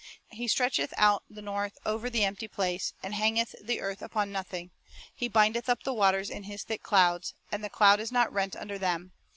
2 " He stretcheth out the north over the empty place, And hangeth the earth upon nothing. He bindeth up the waters in His thick clouds ; And the cloud is not rent under them. ...